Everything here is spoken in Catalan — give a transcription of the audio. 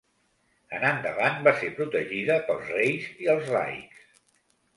En endavant va ser protegida pels reis i els laics.